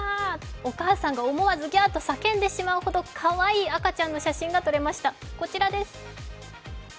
お母さんが思わず「ぎゃーーー」と叫んでしまうほどかわいい赤ちゃんの写真が撮れました、こちらです。